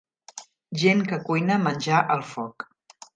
Gent que cuina menjar al foc.